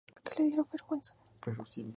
En "cursiva", los debutantes en la Copa Asiática.